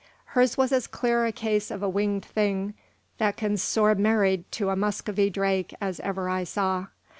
Hers was as clear a case of a winged thing that can soar married to a Muscovy drake as ever I saw.